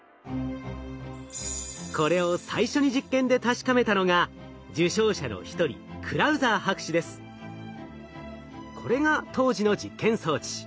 これを最初に実験で確かめたのが受賞者の一人これが当時の実験装置。